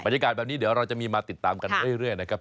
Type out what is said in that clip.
ยากาศแบบนี้เดี๋ยวเราจะมีมาติดตามกันเรื่อยนะครับ